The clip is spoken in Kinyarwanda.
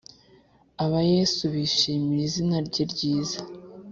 abayesu bishimira izinarye ryiza